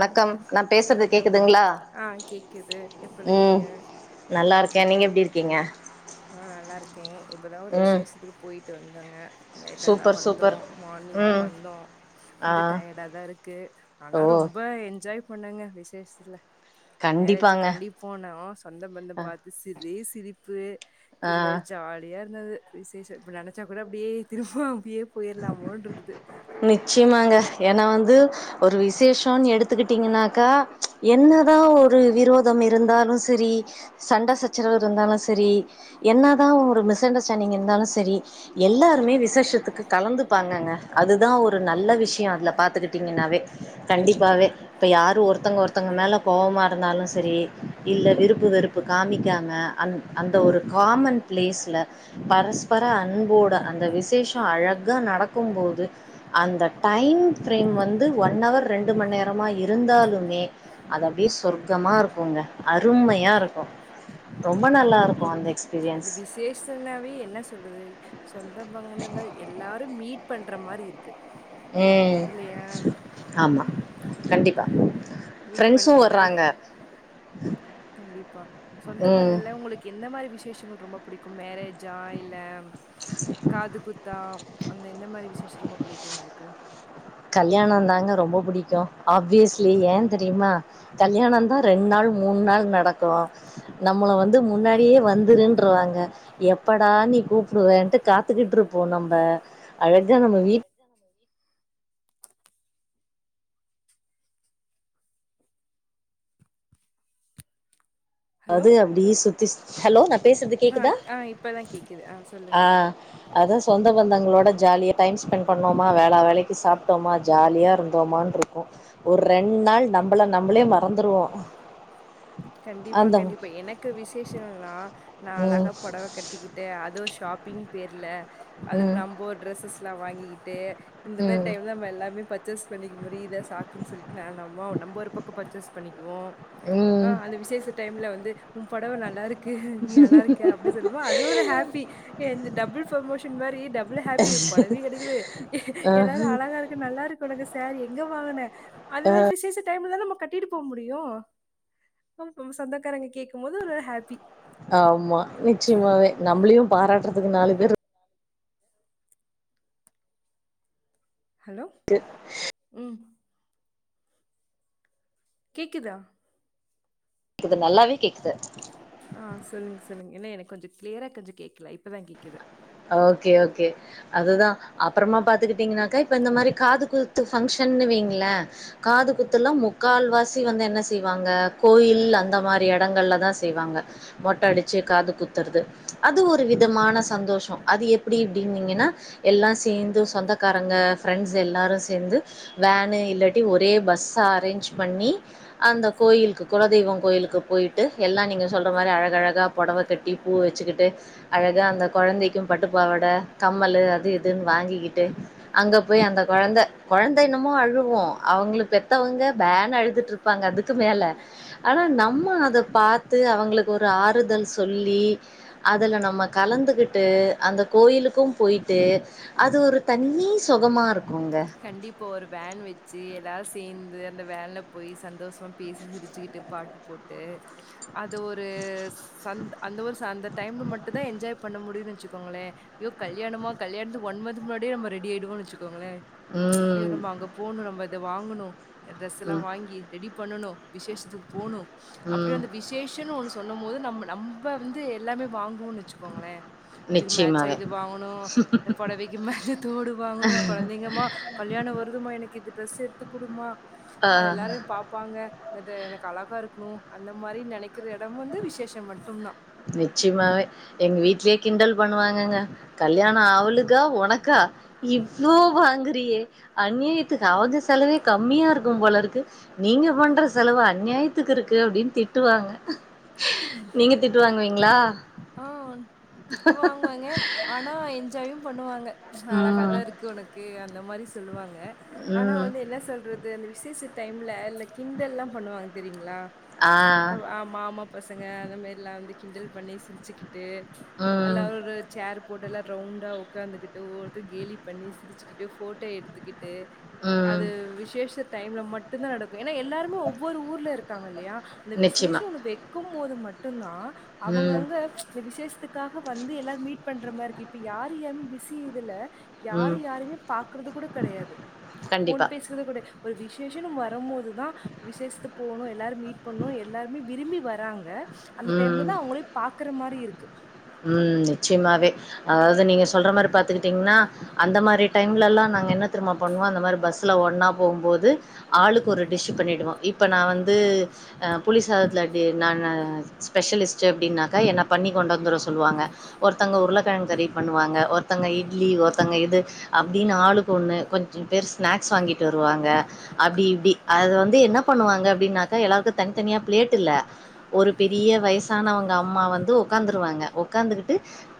அ நா பேசுறது வணக்கம் கேக்குதுங்களா ஆ கேக்குது எப்டிருக்கீங்க நல்லாருக்கே நீங்க எப்டி இருக்கீங்க அ நல்லா இருக்கே இப்பதா ஒரு ம் விசேஷத்துக்கு பொயிட்டு வந்தங்க லேட்டா தா சூப்பர் வந்தோ சூப்பர் மார்னிங் தா ம் வந்தோ ஆ கொஞ்சோ டயர்டா தா இருக்கு ஓ ஆனா ரொம்ப என்ஜாய் பண்ணங்க விசேஷத்ல மேரேஜ் கண்டிப்பாங்க காண்டி போனோ சொந்த பந்தம் அ பாத்து சிரி சிரிப்பு ஆ கிண்டல் ஜாலியா இருந்தது விசேஷம் இப்ப நெனைச்சா கூட அப்டியே திரும்ப அப்டியே பொயிர்லாமோன்று இருக்குது நிச்சயமாங்க ஏனா வந்து ஒரு விசேஷோனு எடுத்துக்கிட்டிங்கனாக்கா என்னதா ஒரு விரோதம் இருந்தாலு செரி சண்டை சச்சரவவு இருந்தாலு சரி என்ன தா ஒரு மிஸ் அண்டர்ஸ்டாண்டிங் இருந்தாலு சரி எல்லாருமே விசேஷத்துக்கு கலந்துப்பாங்கங்க அதுதா ஒரு நல்ல விஷ்யோ அதுல பாத்துகிட்டிங்கனாவே கண்டிப்பாவே இப்ப யாரு ஒருத்தங்க ஒருத்தங்க மேல கோவமா இருந்தாலு சரி இல்ல விருப்பு வெறுப்பு காமிக்காம அந் அந்த ஒரு காமன் பிளேஸ்ல பரஸ்பர அன்போட அந்த விசேஷோ அழகா நடக்கும்போது அந்த டைம் பிரேம் வந்து ஒன்னவர் ரெண்டு மணி நேரமா இருந்தாலும் அது அப்டியே சொர்க்கமா இருக்குங்க அருமையா இருக்கு ரொம்ப நல்லாருக்கு அந்த எக்ஸ்பீரியன்ஸ் சேஷனாவே என்ன சொல்றது சொந்த பந்தங்கள் எல்லாரு மீட் பண்ற மாரி இருக்கு இல்லையா அஆமா ம் கண்டிப்பா மீட் ஃரெண்ட்ஸு பண்ணி எல்லாரு வர்றாங்க கண்டிப்பா சொந்த ம் பந்தல உங்களுக்கு எந்த மாதிரி விசேஷங்கள ரொம்ப புடிக்கு மேரே ஜ்ஜா இல்ல காது குத்தா அந்த எந்த மாரி விசேஷோ ரொம்ப புடிக்கு உங்ளுக்கு கல்யாணந்தாங்க ரொம்ப புடிக்கு ஆப்வியஸ்லி ஏ தெரியுமா கல்யாணோ ரெண்டு நாள் மூண் நாள் நடக்கு நம்மள வந்து முன்னாடியே வந்துருன்றுருவாங்க எப் எப்படா நீ கூப்புடுவேன்ட்டு காத்துக்கிட்டு இருப்போ நம்ம அழகா நம்ம வீட்டு [unintelligible] ஹலோ ஹலோ நா பேசுறது ஆ கேக்குதா ஆ இப்பதா கேக்குது ஆ சொல்லுங்க அதா சொந்த பந்தங்ளோட ஜாலியா டைம் ஸ்பெண்ட் பண்ணோமா வேலா வேலைக்கு சாப்ட்டோமா ஜாலியா இருந்தோமானு இரு க்கு ஒரு ரெண்ட் நாள் நம்மள நம்மளே மறந்துருவோ கண்டிப்பா அந்த கண்டிப்பா எனக்கு விசேஷல்லா நா ம் அழகா புடவ கட்டிக்கிட்டு ஷாப்பிங் பேர்ல அது ம் நம்ப ட்ரெஸ்ஸல்லா வாங்கிகிட்டு இந்த மேரி ம் டைம்ல நம்ம எல்லாமே ப ர்ச்சஸ் பண்ணிக்க முடியு இதா சாக்குன்னு சொல்லிட்டு [unintelligible] நம்ம ஒரு பக்கம் பர்ச்சேஸ் பண்ணிக்குவோ ஆ ம் அந்த விசேஷ டைம்ல வந்து உன் புடவ நல்லா இருக் கு நல்லா இருக்கு அப்டின்னு சொல்லுவோ அது ஒரு ஹாப்பி இந்த டபுள் ப்ரோமோஷன் மாரி டபுள் ஹாப்பி புடவையு கிடைக்குது ஆ எல்லாரு அழகா இருக் கு நல்லா இருக்கு உனக்கு சாரி எங்க வாங்குன அது மாரி விசேஷ டைம்ல தான நம்ம கட்டிட்டு போக முடியு ம் சொந்தக்காரங்க கேட்கும் போது ஒரு ஹாப்பி ஆமா நிச்சயமாவே நம்ளையு பாராட்டுறதுக்கு நாலு பேரு ஹலோ ட்டு ம் கேக்குதா கேக்குது நல்லாவே கேக்குது ஆ சொல்லுங்க சொல்லுங்க ஏன்னா எனக்கு கொஞ்ச கிளியரா கொஞ்ச கேட்கல இப்பதா கேக்குது ஓகே ஓகே அதுதா அப்பறமா பாத்துக்கிட்டீங்கனாக்கா இப்ப இந்த மாரி காது குத்து பங்க்ஷன்னு வைங்ள காது குத்துலா முக்கால்வாசி வந்து என்ன செய்வாங்க கோயில் அந்த மாரி இடங்கள்ல தா செய்வாங்க மொட்ட அடிச்சு காது குத்துறது அது ஒரு விதமான சந்தோஷம் அது எப்டி இப்டினீங்கனா எல்லா சேந்து சொந்தக்காரங்க ஃப்ரெண்ட்ஸ் எல்லாரு சேந்து வேனு இல்லட்டி ஒரே பஸ்ஸா அரேஞ்ச் பண்ணி அந்த கோயிலுக்கு குலதெய்வம் கோயிலுக்கு போயிட்டு எல்லா நீங்க சொல்ற மாரி அழகழகா புடவ கட்டி பூ வச்சுக்கிட்டு அழகா அந்த பட்டுப்பாவட கம்மல் அது இதுன்னு வாங்கிக்கிட்டு அங்க போய் அந்த கொழந்த கொழந்த என்னமோ அழுவு அவுங்கள பெத்தவங்க பேன்னு அழுதுட்டு இரு ப்பாங்க அதுக்கு மேல ஆனா நம்ம அத பார்த்து அவுங்களுக்கு ஒரு ஆறுதல் சொல்லி அதுல நம்ம கலந்துகிட் டு அந்த கோயிலுக்கு போயிட்டு அது ஒரு தனி சுகமா இருக்குங்க இப்போ ஒரு வேன் வச்சு எல்லாருசேர்ந்து அந்த வேன்ல போய் சந்தோஷமா பேசி சிரிச்சுக்கிட்டு பாட்டு போட்டு அது ஒரு ச அந்த ஒரு அந்த டைம்ல மட்டு தா என்ஜாய் பண்ண முடியுனு வச்சுக்கோங்ளே யோ கல்யணமா கல்யணத்து ஒன் மந்த் முன்னாடியே நம்ம ரெடி ஆயடுவோ வச்சுக்கோங்ளே ஐயோ ம் நம்ப அங்க போணு நம்ம இத வாங்கணு டிரெஸ்ல்லா ம் வாங்கி ரெடிப் பண்ணனு விசேஷத்துக்கு போணு அப்டியே ம் அந்த விஷ் சேஷன்னு ஒண்ணு சொல்லும் போது நம்ம நம்ம வந்து எல்லாமே வாங்குவோன் வச்சுக்கோங்ளே இதுக்கு மேட்ச நிச்சயமாவே இது வாங்கணு இந்த புடவைக்கு மேட்ச தோடு வாங்கணு கொழந்தைங்க மா கல்யாண வருதுமா எனக்கு இது டிரஸ் எத்துக்குடுமா ஆ அது எல்லாரையு பா ப்பாங்க இந்த எனக்கு அழகா இருக்கணு அந்த மாரி நெனைக்கிற இடம் வந்து விசேஷம் மட்டுதா நிச்சியமாவே எங்க வீட்லியே கிண்டல் பண்ணுவாங்கங்க கல்யாண அவளுக்கா உனக்கா இவ்ளோ வாங்குறியே நேத்து [unintelligible] செலவே கம்மியா இருக்கும் போல இருக்கு நீங்க பண்ற செலவு அநியாயத்துக்கு இருக்கு அப்டின்னு திட்டுவாங்க நீங்க திட்டு வாங்குவீங்களா? ஆ திட்டு வாங்குவாங்க ஆனா என்ஜாயு பண்ணுவாங்க அழகாதா ம். இருக்கு உனக்கு அந்த மாரி சொல்லுவாங்க ஆனா ம். வந்து என்ன சொல்றது அந்த விசேச டைம்ல இந்த கிண்டல்லா பண்ணுவாங்க தெரியுங்ளா ஆ அ மாமா பசங்க அந்த மேரில்லா வந்து கிண்டல் பண்ணி சிரிச்சிக்கிட்டு ம். அல்லாரு ஒரு சேர் போடுல்லா ரவுண்டா உக்காந்துகிட்டு ஒவ்வொருத்தரு கேலி பண்ணி சிரிச்சுக்கிட்டு ஃபோட்டோ எடுத்துக்கிட்டு ம். அது விசேஷ டைம்ல மட்டுந்தா நடக்கு ஏனா எல்லாருமே ஒவ்வொரு ஊர்ல இருக்காங்க இல்லயா இந்த நிச்சயமா. விசேஷோ ஒண்ணு வெக்கும் போது மட்டுந்தா ம். அவங்கவுங்க இந்த விசேஷத்துக்காக வந்து எல்லாரும் மீட் பண்ற மாதிரிக்கு இப்ப யாருஎம் பிஸி இதுல்ல யாரு ம். யாரையுமே பாக்குறது கூட கடையாது ஃபோன் கண்டிப்பா. பேசுறது கூட ஒரு விசேஷனு வரம்போதுதா விசேஷத்து போணு எல்லாரும் மீட் பண்ணு எல்லாருமே விரும்பி வ ராங்க அந்த டைம்ல ம். தா அவுங்களே பாக்குற மாரி இருக்கு. ம் நிச்சியமாவே அதாவது நீங்க சொல்ற மாரி பாத்துக்கிட்டீங்கன்னா. அந்த மாரி டைம்லல்லா நாங்க என்ன திரும்ப பண்ணுவோ அந்த மாரி பஸ்ல ஒன்னா போம்போது ஆளுக்கு ஒரு டிஷ் பண்ணிடுவோ இப்ப நா வந்து அ புளி சாதத்ல அது ந ந ஸ்பெஷலிஸ்ட்டு அப்டின்னாக்கா என்ன பண்ணி கொண்டு வந்துர சொல்லுவாங்க ஒர்த்தங்க உருளக்கெழங்கறி பண்ணுவாங்க ஒர்த்தங்க இட்லி ஒருத்தங்க இது அப்டினு ஆளுக்கு ஒண்ணு கொஞ்சோ பேர் ஸ்நாக்ஸ் வாங்கிட்டு வருவாங் க அப்டி இப்டி அத வந்து என்ன பண்ணுவாங்க அப்டின்னாக்கா எல்லாருக்கு தனித்தனியா பிளேட் இல்ல ஒரு பெரிய வயசானவங்க அம்மா வந்து ஒக்காந்துருவாங்க ஒக்காந்துகிட்டு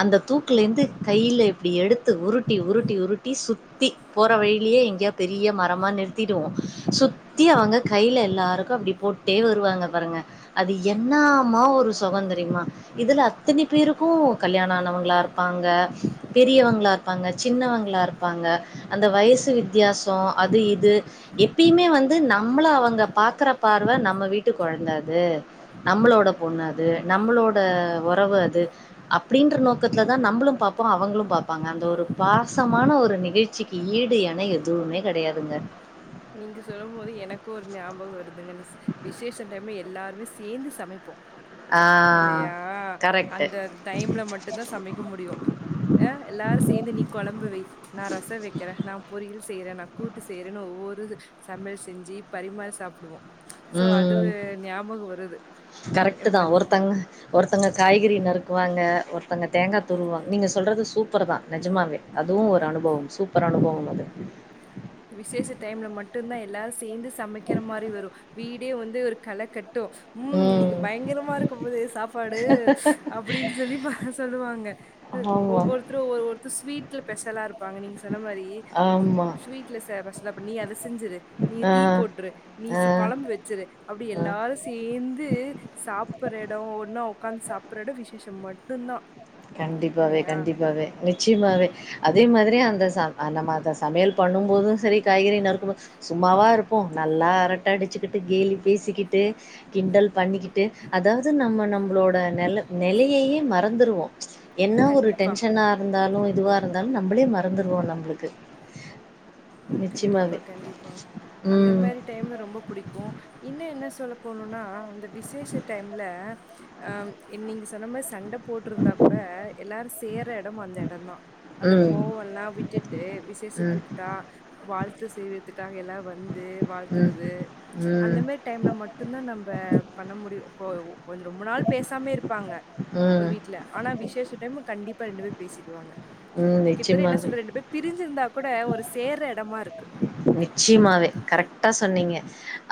அந்த தூக்குலேந்து கையில இப்டி எடுத்து உருட்டி உருட்டி உருட்டி சுட் சுத்தி போற வழியிலயே எங்கயா பெரிய மரமா நிறுத்திடுவோ சு த்தி அவுங்க கையில எல்லாருக்கு அப்டி போட் டே வருவாங்க பாருங்க அது என்னாமா ஒரு சொகந்தெரியுமா இது அத்தினி பேருக்கு கல்யாண ஆனவுங்களா இருப்பாங்க பெரியவங்களா இருப்பாங்க சின்னவங்களா இருப்பாங்க அந்த வயசு வித்தியாசோ அது இது எப்பியிமே வந்து நம்மள அவங்க பாக்கற பார்வ நம்ம வீட்டுக் குழந்த அது நம்மளோட பொண்ணு அது நம்மளோட உறவு அது அப்டின்ற நோக்கதுல தா நம்மளும் பாப்போ அவுங்களும் பாப்பாங்க அந்த ஒரு பாசமான ஒரு நிகழ் ச்சிக்கு ஈடு என எதுவுமே கடையாதுங்க நீங்க சொல்லும் போது எனக்கு ஒரு ஞாபக வருதுங்கு மிஸ் விசேஷோ டைம்ல எல்லாருமே சேந்து சமைப்போ ஆ இல்லயா கரெக்ட் அந்த டைம்ல மட் டு தா சமைக்க முடியு எல்லாரு சேந்து நீ கொழம்பு வை நா ரச வைக்கிற நா பொறியல் செய்ற நா கூட்டு செய்றனு ஒவ்வொரு சமையல் செஞ்சு பரிமாறி சாப்புடுவோ சோ ம் அதுவு ஞாபகோ வருது கரெக்ட் தான் எம்மதி ஒருத்தங்க ஒருத்தங்க காய்கறி நறுக்குவாங்க ஒருத்தங்க தேங்கா துருவாங்க நீங்க சொல்றது சூப்பர் தா நெஜமாவே. அதுவு ஒரு அனுபவம் சூப்பர் அனுபவம் அது விசேஷ டைம்ல மட்டுதா எல்லாரு சேந்து சமைக்கிற மாரி வரு வீடே வந்து ஒரு கள கட்டு ம் இன்னைக்கு பயங்கரமா இருக்கு போதே சாப்பாடு அப்டின்னு சொல்லி ப சொல்லுவாங்க அ ஆமா ஒவ்வொருத்தரு ஒரு ஒருத்தர் ஸ்வீட்ல ஸ்பெஷலா இருப்பாங்க நீங்க சொன்ன மாரி ஆமா ஸ்வீட் ட்ல ச ப அப்பா நீ அத செஞ்சிரு நீ ஆ டீ போட்டுரு நீ ஆ ச கொழம்பு வச்சுரு அப்டி ஆ எல்லாரு சேந்து சாப்படுற எடோ ஒன்னா ஒக்காந்து சாப்படுற எடோ விசேஷோ மட் டுந்தா கண்டிப்பாவே கண்டிப்பாவே நிச்சயமாவே அதே மாதிரி அந்த ச நம்ம அத சமையல் பண்ணும்போது சரி காய்கறி நறுக்கு சும்மாவா இருப்போ நல்லா அரட்ட அடிச்சுக்கிட்டு கேலி பேசிக்கிட்டு கிண்டல் பண்ணிக்கிட்டு அதாவது நம்ம நம்புளோட நெல நெலையையே மறந்துருவோ என்ன ஒரு கண்டிப்பா டென்ஷனா இருந்தாலு இதுவா இருந்தாலு நம்மளே மறந்துருவோ நம்மளுக்கு கண்டிப்பா நிச்சயமாவே. கண்டிப்பா அந்த ம். மாரி டைம் ரொம்ப பிடிக்கு இன்னு என்ன சொல்ல போணுன்னா அந்த விசேஷ டைம்ல அ நீங்க சொன்ன மாரி சண்ட போட்டுருந்தா கூட எல்லாரு சேர்ற எடோ அந்த எடோதா அந்த ம். கோவோலா விட்டுட்டு விசேஷ ம். கூப்ட்டா வாழ்த்து செய்வதுக்காக எல்லா வந்து ம். ம். வாழ்த்துறது அந்த ம். மாரி டைம்ல மட்டுதா நம்ம பண்ண முடியு கொஞ்சோ ரொம்ப நாள் பேசாமே இருப்பாங்க ஒரு வீட்ல ஆனா விசேஷ டைம் கண்டிப்பா ரெண்டு பேர் பேசிடுவாங்க ம். கிட்டத்தட்ட என்ன நிச்சயமாவே. சொல்ற ரெண்டு பேர் பிரிஞ்சிருந்தா கூட ஒரு சேர்ற எடமா இருக்கு நிச்சியமாவே கரெக்டா சொன்னீங்க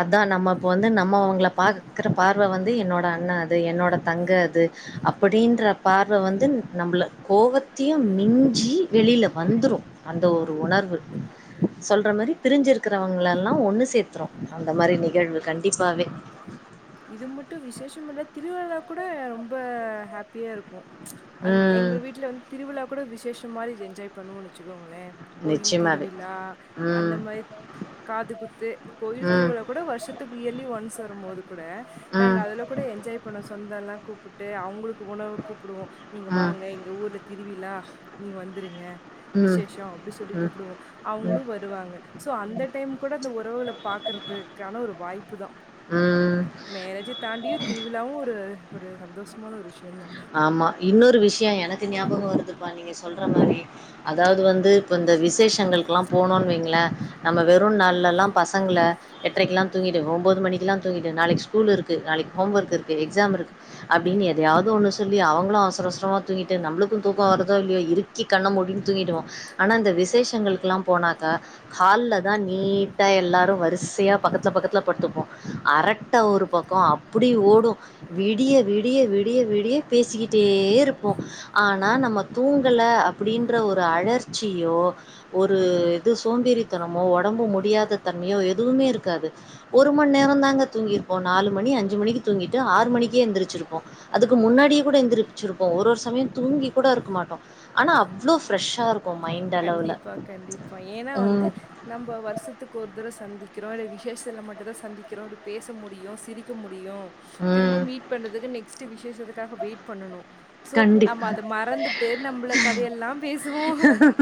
அதா நம்ம இப்ப வந்து நம்ம அவங்கள பாக்குற பார்வ வந்து என்னோட அண்ண அது என்னோட தங்க அது அப்டின்ற பார்வ வந்து நம்மள கோவத்தையு மிஞ்சி வெளில்ல வந்துரு அந்த ஒரு உணர்வு [inaudible] [unintelligible] மாரி பிரிஞ்சிருக்கிறவங்கள எல்லா ஒண்ணு சேத்துறு அந்த மாரி நிகழ்வு கண்டிப்பாவே இது மட்டு விசேஷமில்ல திருவிழா கூட ரொம்ப ஹாப்பியா இருக்கு ச் அந்த் ம். எங்க வீட்டுல வந்து திருவிழா கூட விசேஷ மாரி என்ஜாய் பண்ணுவோனு வச்சுக்கோங்களே கோயில் நிச்சயமாவே. திருவிழா அந்த ம். மாரி காது குத்து கோயில் ம். திருவிழா கூட வருஷத்துக்கு இயர்லி ஒன்ஸ் வரும் போது கூட நாங்க ம். அதுல கூட என்ஜாய் பண்ணோ சொந்தோலா கூப்பிட்டு அவங்களுக் உணவுக்கு கூப்பிடுவோ நீங்க ம். வாங்க எங்க ஊரு திருவிழா நீங்க வந்துருங்க ம். ம். விசேஷஷோ அப்டி சொல்லி ம். கூப்பிடுவோ அவங்களு வரு வருவாங்க சோ அந்த டைம் கூட அந்த உறவுகள பாக்குறதுக்கான ஒரு வாய்ப்பு தா ம். மேரேஜ தாண்டியு திருவிழாவு ஒரு ஒரு சந்தோஷமான ஒரு விஷயோ தா ஆமா இன்னொரு விஷ்யோ எனக்கு ஞாபகோ வருதுப்பா நீங்க சொல்ற மாரி அதாவது வந்து இப்ப இந்த விசேஷங்களுக்குல்லா போனோன்னு வைங்களே நம்ம வெறு நாள்லல்லா பசங்கள எட்ரைக்கிலா தூங்கிடு ஒம்பது மணிக்கலா தூங்கிடு நாளைக்கு ஸ்கூல் இருக்கு நாளைக்கு ஹோம் ஒர்க் இருக்கு எக்ஸாம் இருக்கு அப்டினு எதையாவது ஒன் சொல்லி அவங்களு அவசர அவசரமா தூங்கிட்டு நம்மளுக்கு தூக்கோ வருதோ இல்லையோ இருக்கி கண்ண மூடி தூங்கிடுவோ ஆனா இந்த விசேஷங்களுக்குலா போனாக்கா ஹால்லதா நீட்டா எல்லாரு வரிசையா பக்கத்ல பக்கத்ல படுத்திப்போ அரட்ட ஒரு பக்கோ அப்டி ஓடு விடிய விடிய விடி விடிய விடிய பேசிக் இருப்போ ஆனா நம்ம தூங்கல அப்டின்ற ஒரு அழர்ச்சியோ ஒரு இது சோம்பேறித்தனமோ ஒடம்பு முடியாத தன்மையோ எதுவுமே இருக்காது ஒரு மண் நேரந்தாங்க தூங்கிருப்போ நாலு மணி அஞ்சு மணிக்கு தூங்கிட்டு ஆறு மணிக்கே எந்திரிச்சிருப்போ அதுக்கு முன்னாடியே கூட எந்திரிச்சிருப்போ ஒரு ஒரு சமயோ தூங்கி கூட இருக்க மாட்டோ ஆனா அவ்ளோ ஃப்ரெஷ்ஷா இருக் கண்டிப்பா கண்டிப்பா ஏனா வந்து ம் நம்ப வருஷத்துக்கு ஒரு தடவ சந்திக்கிறோ இல்ல விசேஷல மட்டு தா சந்திக்கிறோ அப்டி பேச முடியு சிரிக்க முடியு திரும்ப ம் மீட் பண்றதுக்கு நெக்ஸ்ட் விசேத்துக்காக வெயிட் பண்ணனு சோ நம்ம கண்டிப்பா அத மறந்துட்டு நம்மள கதையெல்லா பேசுவோ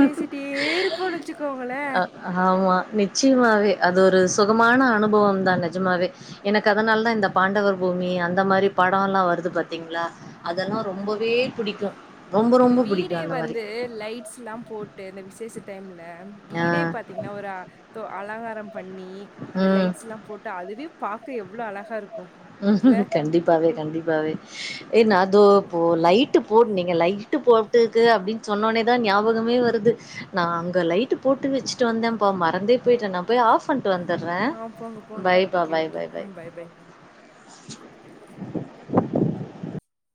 பேசிட்டே இருப்போனு வச்சு கோங்களே அ ஆமா நிச்சயமாவே அது ஒரு சுகமான அனுபவம் தா நெஜமாவே எனக்கு அதனால தா இந்த பாண்டவர் பூமி அந்த மாரி படோல்லா வருது பாத்தீங்களா அதெல்லா அந்த ரொம்பவே புடிக்கு ரொம்ப ரொம்ப புடிக்கு அந்த மாரி லைட்ஸ் எல்லா போட்டு இந்த விசேஷ டைம்ல ஆ வீடே பாத்தீங்கன்னா ஒரு தோ அலங்காரம் பண்ணி அந்த ம். லைட்ஸ்ல்லா போட்டு அதுவே பாக்க எவ்ளோ அழகா இருக்கும் இல்ல ம் கண்டிப்பாவே உ- கண்டிப்பாவே ஏ நா தோ போ லைட்டு போடுனீங்க லை ட்டு போட்டுக்கு அப்டின்னு சொன்னோடனேதா ஞாபகமே வருது நா அங்க லைட்டு போட்டு வெச்சுட்டு வந்தேன்ப்பா மறந்தே போய்ட்ட நா போய் ஆஃப் பண்ட்டு வந்துர்றே பைய் பா பைய் பைய் பைய் பாய் பாய்